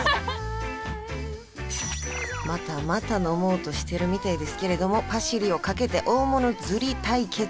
またまた飲もうとしてるみたいですけれどもパシリを賭けて大物釣り対決！